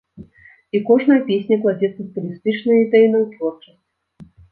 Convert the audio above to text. І кожная песня кладзецца стылістычна і ідэйна ў творчасць.